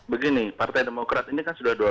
begini partai demokrat ini kan sudah